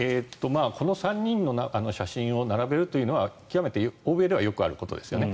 この３人の写真を並べるというのは極めて欧米ではよくあることですよね。